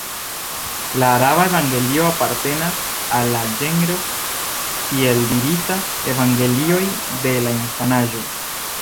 La araba Evangelio apartenas al la ĝenro tieldirita Evangelioj de la infanaĝo.